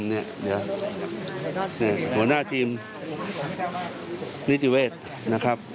หัวหน้าทีมนิติเวศนะครับ